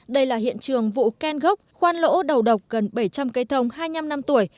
đây là hiện trường vụ ken gốc khoan lỗ đầu độc gần bảy trăm linh cây thông hai mươi năm năm tuổi